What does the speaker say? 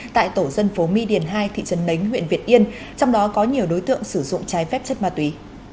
tại tổ dân phố my điền hai thị trấn nánh huyện việt yên trong đó có nhiều đối tượng sử dụng trái phép chất ma túy